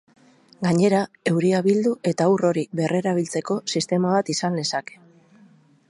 Gainera, euria bildu eta ur hori berrerabiltzeko sistema bat izan lezake.